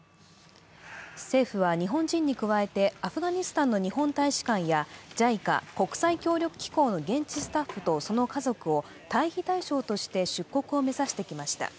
政府は日本人に加えてアフガニスタンの日本大使館やＪＩＣＡ＝国際協力機構の現地スタッフとその家族を退避対象として出国を目指してきました。